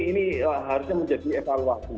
ini harusnya menjadi evaluasi